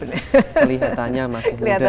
kelihatannya masih muda